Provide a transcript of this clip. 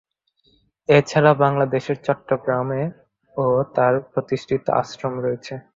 এছাড়া বাংলাদেশের চট্টগ্রামে ও তার প্রতিষ্ঠিত আশ্রম রয়েছে।